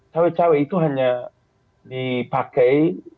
cawe cawe itu hanya dipakai